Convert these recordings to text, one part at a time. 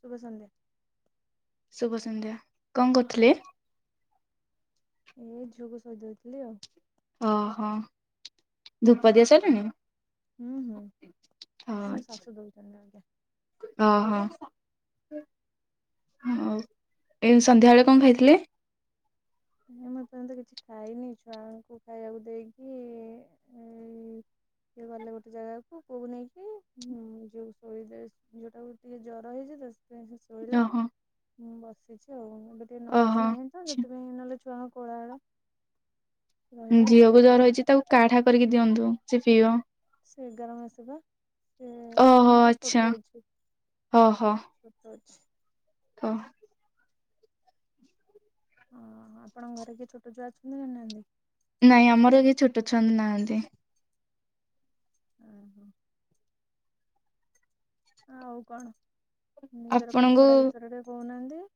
ଶୁଭ ସନ୍ଧ୍ୟା। ଶୁଭ ସନ୍ଧ୍ୟା କଣ କରୁଥିଲେ? ଏଇ ଝିଅକୁ ସଜଉଥିଲି ଆଉ। ଓହୋ ଧୂପ ଦିଆ ସରିଲାଣି? ହୁଁ ହୁଁ ମୋ ଶାଶୁ ଦଉଛନ୍ତି ବୋଧେ। ହଁ ହଁ। ହଉ ଏ ସନ୍ଧ୍ୟାବେଳେ କଣ ଖାଇଥିଲେ? ମୁଁ ଏପର୍ଯ୍ୟନ୍ତ କିଛି ଖାଇନି, ଛୁଆଙ୍କୁ ଖାଇବାକୁ ଦେଇକି ଏଇ ଇଏ ଗଲେ ଗୋଟେ ଜାଗାକୁ, ପୁଅକୁ ନେଇକିଁ ମୁଁ ଝିଅ କୁ ସୋଇତ ଝିଅଟାକୁ ଟିକେ ଜର ହେଇଛି ତ ସେଥି ପାଇଁ ସେ ଓହୋ। ମୁଁ ବସିଛି ଆଉ ଏବେ ଟିକେ ନଏଜ ନାହିଁ ତ ସେଥିପାଇଁ ନହେଲେ ଛୁଆଙ୍କ କୋଳାହଳ। ଝିଅକୁ ଜର ହେଇଛି ତାକୁ କାଢା କରିକି ଦିଅନ୍ତୁ, ସେ ପିଇବ। ସେ ଏଗାର ମାସ ବା ଏବେ ସେ ଟିକେ ଛୋଟ ଅଛି। ଅଛି। ଓହୋ। ହଁ ଆପଣଙ୍କ ଘରେ କିଏ ଛୋଟ ଛୁଆ ଅଛନ୍ତି ନା ନାହାନ୍ତି। ନାଇଁ ଆମର କିଏ ଛୋଟ ଛୁଆ ନାହାନ୍ତି। ଓହୋ। ଆଉ କଣ ନିଜର ପାଠ ପଢା ବିଷୟରେ ଟିକିଏ କହୁନାହାନ୍ତି।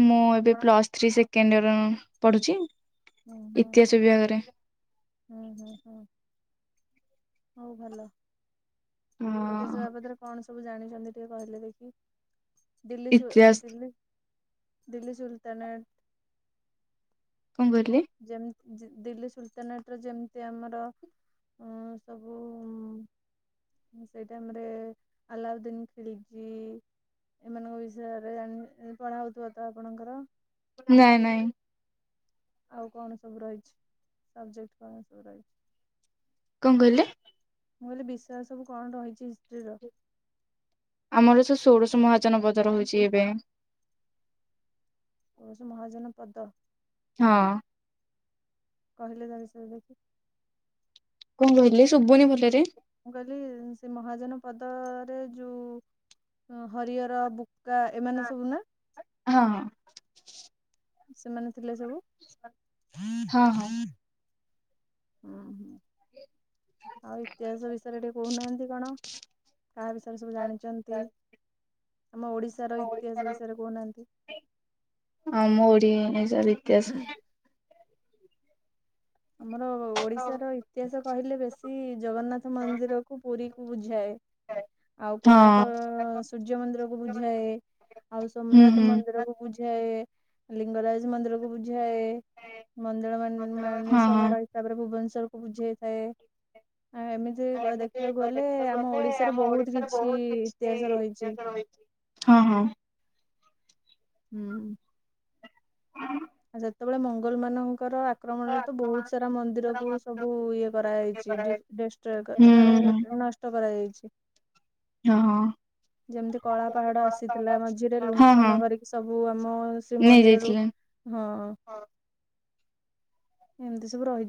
ମୁଁ ଏବେ ପ୍ଲସ୍ ଥ୍ରୀ ସେକେଣ୍ଡ ଇୟର ପଢୁଛି ଇତିହାସ ବିଭାଗରେ। ହୁଁ ହୁଁ ହୁଁ। ହଉ ଭଲ ଇତିହାସ ବାବଦରେ କଣ ସବୁ ଜାଣିଛନ୍ତି ଟିକେ କହିଲେ ଦେଖି। ଦିଲ୍ଲୀ ସୁଲତାନେଟ। କଣ କହୁଥିଲେ? ଯେମତି ଦିଲ୍ଲୀ ସୁଲତାନେଟ ର ଯେମିତି ଆମର। ହ ସବୁ। ସେଇ ଟାଇମରେ ଆଲାଉଦିିନ ଖିଲିଜି। ଏମାନଙ୍କ ବିଷୟରେ ଜା ପଢ଼ା ହଉଥିବ ତ ଆପଣଙ୍କର? ନାଇଁ ନାଇଁ। ଆଉ କଣ ସବୁ ରହିଚି, ସବଜେକ୍ଟ କଣ ସବୁ ରହିଛି? କଣ କହିଲେ? ମୁଁ କହିଲି ବିଷୟ ସବୁ କଣ ରହିଛି ହିଷ୍ଟିରି ର? ଆମରତ ଷୋଡ଼ଶ ମହାଜନ ପଦ ରହୁଚି ଏବେ। ସୋଡଶ ମହାଜନ ପଦ? ହଁ। କହିଲେ ତା ବିଷୟରେ ଦେଖି। କଣ କହିଲେ ଶୁଭୁନି ଭଲରେ। ମୁଁ କହିଲି ସେ ମହାଜନ ପଦରେ ଯୋଉ ଉଁ ହରିହର ବୁ କା ଏମାନେ ସବୁନା। ହଁ, ହଁ। ସେମାନେ ଥିଲେ ସବୁ। ହୁଁ ହୁଁ ଆଉ ଇତିହାସ ବିଷୟରେ ଟିକେ କହୁନାହାନ୍ତି କଣ। କାହା ବିଷୟରେ ସବୁ ଜାଣିଛନ୍ତି ଆମ ଓଡ଼ିଶାର ଇତିହାସ ବିଷୟରେ କହୁନାହାନ୍ତି। ଆମ ଓଡିଆ ବିଷୟରେ ବିକାଶ ଆମର ଓଡିଶାର ଇତିହାସ କହିଲେ ବେଶୀ ଜଗନ୍ନାଥ ମନ୍ଦିର। ପୁରକୁ ବୁଝାଏ ଆଉ କୋଣାର୍କ ସୂର୍ଯ୍ୟ ମନ୍ଦିରକୁ ବୁଝାଏ। ଆଉ ସୋମନାଥ ମନ୍ଦିରକୁ ବୁଝାଏ। ବୁଝାଏ ଲିଙ୍ଗରାଜ ମନ୍ଦିରକୁ ବୁଝାଏ ମନ୍ଦିର ମାନ ମାଳିନ ମା ସେ ତାପରେ ଭୁବନେଶ୍ବରକୁ ବୁଝେଇଥାଏ ଆ ଏମିତି। ଯେ କ ଦେଖିବାକୁ ଗଲେ ଆମ ଓଡିଶାରେ ବହୁତ କିଛି ଇତିହାସ ରହିଚି। ହଁ ହଁ। ହୁଁ। [inaudible] ଯେତେବେଳେ ମୋଙ୍ଗଲ ମାନଙ୍କର ଆ ଆକ୍ରମଣରେତ ବହୁତ ସାରା ମନ୍ଦିରକୁ ସବୁ ଇଏ କରା ହେଇଚି ଡିସ ଡେସଟ୍ର୍ଏ କରା ମାନେ ନଷ୍ଟ। କରାଯାଇଛି। ହଁ। ଯେମିତି କଳା ପାହାଡ ଆସିଥିଲା ମଝିରେ ଲୁଣ୍ଠନ କରିକି ସବୁ ଆମ ଶ୍ରୀମନ୍ଦିରରୁ। ହଁ ଏମିତି ସବୁ ରହି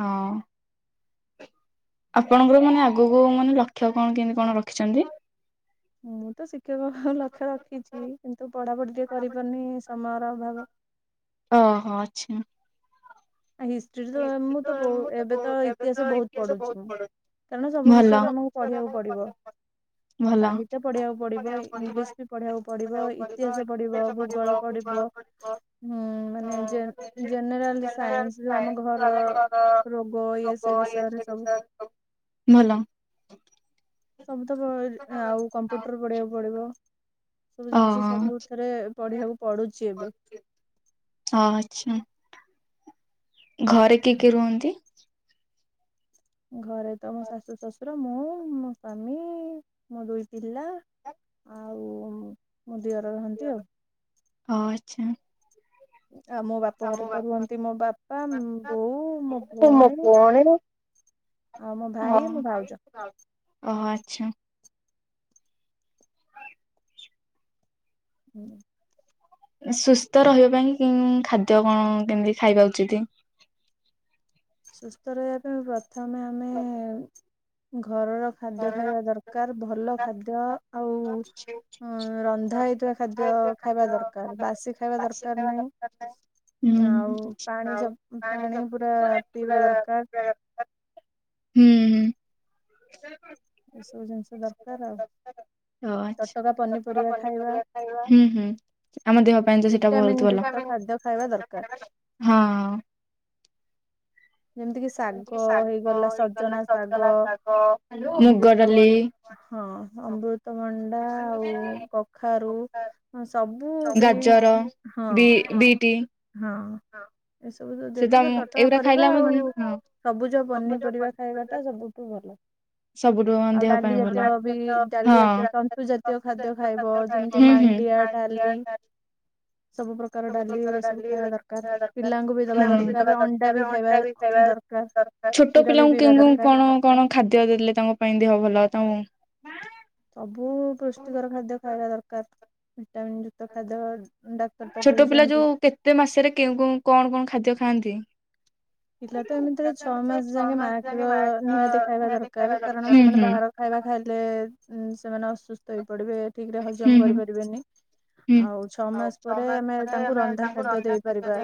ହଁ। ଆପଣଙ୍କର ମାନେ ଆଗକୁ ମାନେ ଲକ୍ଷ୍ୟ କଣ କେମିତି କଣ ରଖିଚନ୍ତି। ମୁଁ ତ ଶିକ୍ଷକ ହେବାକୁ ଲକ୍ଷ୍ୟ ରଖିଚି କିନ୍ତୁ ପଢାପଢି ଟିକେ କରିପାରୁନି ସମୟର ଅଭାବ। ଓହୋ ଅଛା। ହିଷ୍ଟ୍ରିରେତ ମୁଁ ତ ବହୁତ ଏବେ ତ ଇତିହାସ ବହୁତ ପଢୁଚି ମୁଁ। କାରଣ ସବୁ ବିଷୟରେ ଆମକୁ ପଢିବାକୁ ପଡିବ। ଭଲ। ସାହିତ୍ୟ ପଢିବାକୁ ପଡିବ ଇଂଲିଶ ବି ପଢିବାକୁ ପଡିବ ଇତିହାସ ପଢିବ ଭୂଗୋଳ ପଢିବ। ହୁଁ ମାନେ ଜେନ ଜେନରାଲ ସା [inaudible] ଭଲ। ସବୁତ ପ ଏଯେ ଆଉ କମ୍ପ୍ୟୁଟର ପଢିବାକୁ ପଡିବ ସବୁ ଜିନିଷ ସବୁଥିରେ। ପଢିବାକୁ ପଡୁଚି ଏବେ। ହଁ ଆଛା। ଘରେ କିଏ କିଏ ରୁହନ୍ତି। ଘରେ ତ ମୋ ଶାଶୁ ଶଶୁ ଶଶୁର ମୁଁ ମୋ ସ୍ୱାମୀ ମୋ ଦୁଇ ପିଲା ଆଉ। ମୋ ଦିଅର ରହନ୍ତି ଆଉ। ଓ ଆଛା। ଆଉ ମୋ ବାପ୍ ପ ଘରେ ତ ରୁହନ୍ତି ମୋ ବାପା ବୋଉ ମୋ ଭଉଣୀ। ହଉ ମୋ ଭାଇ ମୋ ଭାଉଜ। ଓ ଆଚ୍ଛା। [inaudible] ସୁସ୍ଥ ରହିବା ପାଇଁ ଖାଦ୍ୟ କଣ କେମତି ଖାଇବା ଉଚିତ? ସୁସ୍ଥ ରହିବା ପାଇଁ ପ୍ରଥମେ ଆମେ ଘରର ଖାଦ୍ୟ ଖାଇବା ଦରକାର ଭଲ ଖାଦ୍ୟ ଆଉ ହଁ ରନ୍ଧା ହେଇଥିବା ଖାଦ୍ୟ ଖାଇବା ଦରକାର ବାସି ଖାଇବା ଦରକାର ନାହିଁ। ଆଉ ପାଣି ପାଣି ପୁରା ପିଇବା ଦରକାର। ହୁଁ ହୁଁ। ଏଇସବୁ ଜିନିଷ ଦରକାର ଆଉ ତଟକା ପନିପରିବା ଖାଇବା। ହୁଁ ହୁଁ ଆମ ଦେହ ପାଇଁ ତ ସେଇଟା ବହୁତ୍ ଭଲ। ଖାଦ୍ୟ ଖାଇବା ଦରକାର। ହଁ। ଯେମିତି କିି ଶାଗ ହେଇଗଲା ସଜନା ଶାଗ ଅମୃତଭ ହଁ ଅମୃତଭଣ୍ଡା ଆଉ କଖାରୁ। ହଁ ସବୁ ଗ୍ରୀ ହଁ ହଁ ଏସବୁ ଯେତିକ ତଟକା ପରି ଆଉ ସବୁଜ ପନିପରିବା ଖାଇବାଟା ସବୁଠୁ ଭଲ। ଆଉ ଡାଲି ଜାତୀୟ ବି ଡାଲି ଜାତୀୟ ତନ୍ତୁ ଜାତୀୟ ଖାଦ୍ୟ ଖାଇବ ଯେମତି ମାଣ୍ଡିଆ, ଡାଲି। ସବୁ ପ୍ରକାର ଡାଲି ର ସବୁ ଖାଇବା ଦରକାର ପିଲାଙ୍କୁ ବି ଦବା ଦରକାର ଅଣ୍ଡା ବି ଖାଇବା ଦରକାର କ୍ଷୀର ବି ପିଇବା ଦରକାର। ହଁ କଣ ଖାଦ୍ୟ ଦେଲେ ତାଙ୍କ ପାଇଁ ଦେହ ଭଲ ତାଙ୍କୁ ସବୁ ପୁଷ୍ଟିକର ଖାଦ୍ୟ ଖାଇବା ଦରକାର ଭିଟାମିନ୍ ଯୁକ୍ତ ଖାଦ୍ୟ। ଛୋଟ ପିଲା ଯୋଉ କେତେ ମାସରେ କଣ କଣ ଖାଦ୍ୟ ଖାଆନ୍ତି? ପିଲା ତ ଏମିତିରେ ଛଅ ମାସ ଯାକେ ମାଆ କ୍ଷୀର ନିହାତି ଖାଇବା ଦରକାର କାରଣ ସେମାନେ ବାହାର ଖାଇବା ଖାଇଲେ ଉ ସେମାନେ ଅସୁସ୍ଥ ହେଇ ପଡିବେ ଠିକରେ ହଜମ କରିପାରିବେନି। ଆଉ ଛଅ ମାସ ପରେ ଆମେ ତାଙ୍କୁ ରନ୍ଧା ଖାଦ୍ୟ ଦେଇପାରିବା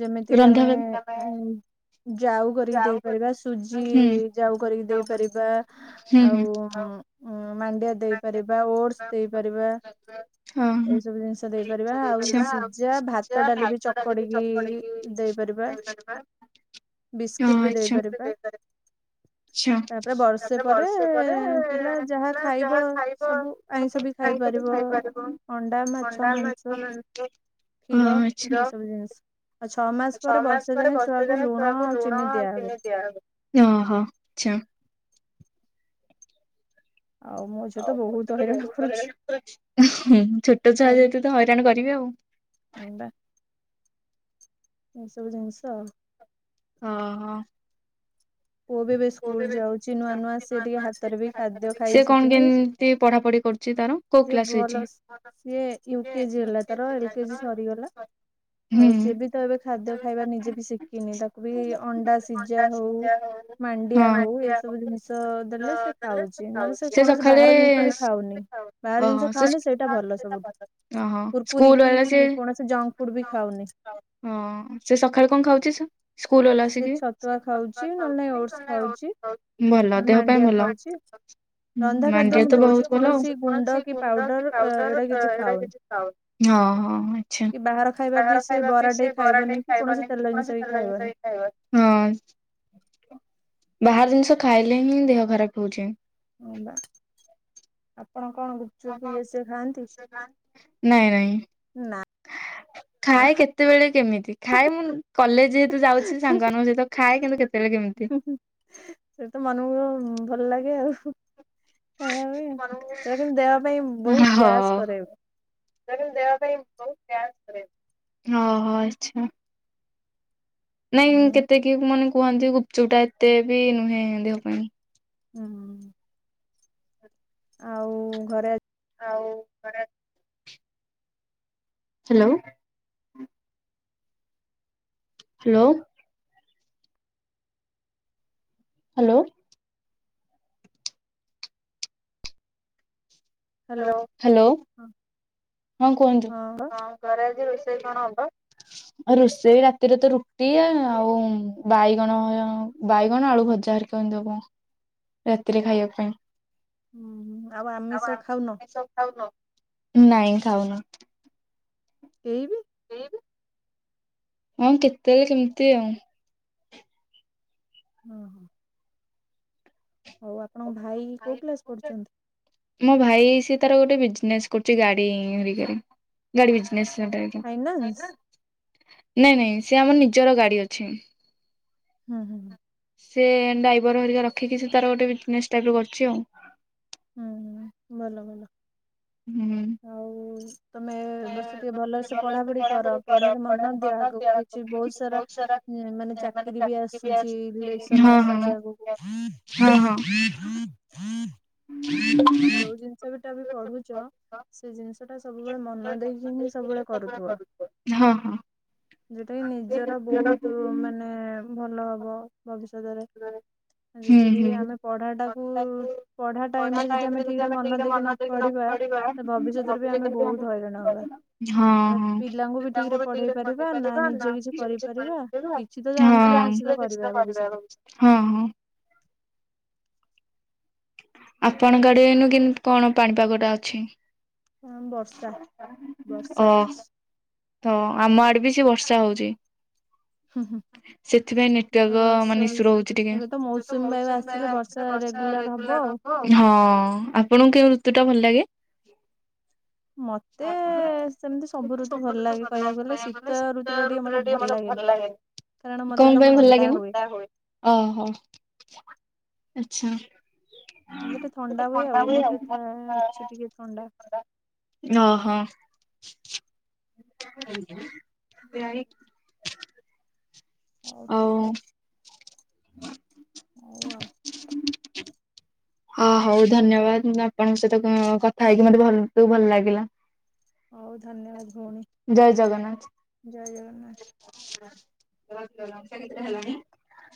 ଯେମିତିକି ଆମେ ଯାଉ କରିକି ଦେଇପାରିବା ସୁଜି ଯାଉ କରିକି ଦେଇପାରିବା। ଆଉ ମାଣ୍ଡିଆ ଦେଇପାରିବା ଓଟସ ଦେଇପାରିବା। ଏଇ ସବୁ ଜିନିଷ ଦେଇପାରିବା ଆଉ ସିଝା ଭାତ ଡାଲି ବି ଚକଡିକି ଦେଇପାରିବା ବିସ୍କିଟ ବି ଦେଇପାରିବା। ତାପରେ ବର୍ଷେ ପରେ ପିଲା ଯାହା ଖାଇ ଖାଇବ ସବୁ ଆଇଷ ବି ଖାଇପାରିବ ଅଣ୍ଡା ମାଛ ମାଂସ। କ୍ଷୀର ଏଇ ସବୁ ଜିନିଷ ଆଉ ଛଅ ମାସ ପରେ ବର୍ଷେ ଯାଏ ଛୁଆକୁ ଲୁଣନି ଦିଆ [inaudible] ହଁ ଆଚ୍ଛା। ଆଉ ମୋ ଛୋଟ ଛୁଆ ଯେହେତୁ ତ ହଇରାଣ କରିବେ ଆଉ ଅଣ୍ଡା। ଏଇସବୁ ଜିନିଷ। ଅ ହ। [unintelligible] ସେ କଣ କେମିତି ପଢା ପଢି କରୁଛି ତାର? କୋଉ କ୍ଲାସ ହେଇଛି? ସିଏ ୟୁ କେଜି ହେଲା ତାର ଏଲ କେଜି ସରି ଗଲା। ଆଉ ସିଏ ବି ତ ଏବେ ଖାଦ୍ୟ ଖାଇବା ନିଜେ ବି ଶିଖିନି ତାକୁ ବି ଅଣ୍ଡା ସିଝା ହଉ ମା ଡିଆ ହଉ ଏସବୁ ଜିନିଷ ଦେଲେ ସେ ଖାଉଛି ନହେଲେ ସେ କୌଣସି ବାହାର ଜିନିଷ ବି ଖାଉନି। ବାହାର ଜିନିଷ ଖାଉନି ସେଇଟା ଭଲ ସବୁଠୁ। କୁର୍କୁରି କି କୌଣସି ଜଙ୍କ ଫୁଡ ବି ଖାଉନି। ହଁ ସେ ସକାଳେ କଣ ଖାଉଚି ସ୍କୁଲ ଗଲା ଆସିକି। ନହେଲେ ନାଇଁ ଭଲ ଦେହ ପାଇଁ ଭଲ। ହଁ ମାଣ୍ଡିଆ ତ ବହୁତ ଭଲ। ହଁ ହଁ ଆଚ୍ଛା। ହଁ। ବାହାର ଜିନିଷ ଖାଇଲେ ହିଁ ଦେହ ଖରାପ ହଉଚି। ହଁ ବା। ଆପଣ କଣ ଚୁପ ଇଏ ସେ ଖାଆନ୍ତି ନା। ଖାଏ କେତେବେଳେ କେମିତି। ଖାଏ ମୁଁ କଲେଜ ଯେହେତୁ ଯାଉଚି ସାଙ୍ଗମାନଙ୍କ ସହିତ ଖାଏ କିନ୍ତୁ କେତେବେଳେ କେମିତି ସେଇତ ମନଙ୍କୁ ଭଲ ଲାଗେ ଆଉ ସେଟା ଯେ ସେଟା କିନ୍ତୁ ଦେହ ପାଇଁ ବହୁତ ଗ୍ୟାସ୍ କରାଏ। ହଁ ହଁ ଆଛା। ନାଇଁ କେତେ କି ମାନେ କୁହନ୍ତି ଗୁପଚୁପ ଟା ଏତେ ବି ନୁହେଁ ଦେହ ପାଇଁ ହୁଁ। ଆଉ ଘରେ ଆଉ ଘର ହାଲୋ। ହାଲୋ। ହାଲୋ। ହାଲୋ ହଁ କୁହନ୍ତୁ। ଘରେ ଆଜି ରୋଷେଇ କଣ ହବ? ଆଉ ରୋଷେଇ ରାତିରେ ତ ରୁଟି ଆଉ ବାଇଗଣ, ବାଇଗଣ ଆଳୁ ଭଜା ହେ କଣ ଦେବ ରାତିରେ ଖାଇବା ପାଇଁ? ହୁଁ ଆଉ ଆମ ନାଇଁ ଖାଉନୁ। ଏଇ ବିି ହଁ କେତେ ହେଲେ କେମିତି ଆଉ। ହୁଁ ହୁଁ। ହଉ ଆପଣଙ୍କ ଭାଇ କୋଉ କ୍ଲାସ ପଢୁଚନ୍ତି? ମୋ ଭାଇ ସିଏ ତାର ଗୋଟେ ବିଜନେସ କରୁଚି ଗାଡିି ହେରିକା ରେ। ଗାଡି ବିଜନେସ ଗୋଟେ [inaudible] ନାଇଁ ନାଇଁ ସେ ଆମ ନିଜର ଗାଡି ଅଛି। ହୁଁ ହୁଁଁ। ସେ ଡ୍ରାଇଭର ହରିକା ରଖିକି ସେ ତାର ଗୋଟେ ବିଜନେସ୍ ଟାଇପ୍ର କରିଚି ଆଉ। ହୁଁ ହ ଭଲ ଭଲ। ହୁଁ। ଆଉ ତମେ ଏ ବର୍ଷ ଟିକେ ଭଲସେ ପଢା ପଢି କର। ପଢାରେ ମନ ଦିଅ। ଆଗକୁ ବି ସେ ବହୁତ ସାରା ମାନେ ଚାକିରି ବି ଆସୁଚି ଇଲେକ୍ସନ ଆସୁଚି ଆଗକୁ। ହଁ ହଁ। ହଁ ହୁଁ। ଯୋଉ ଜିନିଷ ବିଟା ବି ପଢୁଚ ସେ ଜିନିଷଟା ସବୁବେଳେ ମନ ଦେଇକି ହିଁ ସବୁବେଳେ କରୁଥିବ। ଯେଉଟା କିି ନିଜର ବହୁତ ମାନେ ଭଲ ହବ ଭବିଷ୍ୟତରେ ଯଦି ବିି ଆମେ ପଢା ଟାକୁ ପଢା ଟାଇମରେ ଯଦି ଟାଇମ ରେ ଯଦି ଆମେ ଠିକ୍ ଟା ମନ ଦେଇକି ନ ପଡିବା ଭବିଷ୍ୟତ ରେ ଆମେ [unintelligible] ହଁ ହଁ ତାଙ୍କୁ ବି ଠିକରେ ପଢେଇ ପାରିବା ନା ନିଜେ କିଛି କରିପାରିବା ହଁ ହଁ ହଁ ଆପଣଙ୍କ ଗାଡ଼ିନୁ କି କଣ ପାଣିପାଗଟା ଅଛି? ହଁ ବର୍ଷା ବର୍ଷା ହେଇଛି। ତ ଆମ ଆଡେ ବି ସେ ବର୍ଷା ହଉଛି ହୁଁ ହୁଁ ସେଥିପାଇଁ ନେଟ୍ ୱର୍କ ମାନେ ଇସୁ ରହୁଚି ଟିକେ [unintelligible] ହଁ ଆପଣଙ୍କୁ କେଉଁ ଋତୁ ଟା ଭଲ ଲାଗେ? ମତେ ସେମିତି ସବୁ ଋତୁ ଭଲ ଲାଗେ କହିବାକୁ ଗଲେ ଶୀତ ଋତୁ ଟା ଟିକେ ମତେ ଟିକେ ମତେ ଭଲ ଲାଗେନି କଣ ପାଇଁ ଭଲ ଲାଗେନି ଥଣ୍ଡା ହୁଏ। ଓହୋ ଆଚଛା ମତେ ଟେ ଥଣ୍ଡା ହୁଏ ଆଉ ମତେ ଅଛି ଟିକେ ଥଣ୍ଡା ଓହୋ ହଉ ଠିକ ଅଛି ଓ ଉ ଆ ହଁ ହଉ ଧନ୍ୟବାଦ ଆପଣଙ୍କ ସହିତ କଥା ହେଇକି ମତେ ଭଲ ତୁ ଭଲ ଲାଗିଲା ହଉ ଧନ୍ୟବାଦ ଭଉଣୀ ଜୟ ଜଗନ୍ନାଥ ଆଛା ଲକ୍ଷ କେତରେ ହେଲାଣି